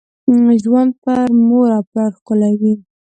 ژوند پر مور او پلار ښکلي وي .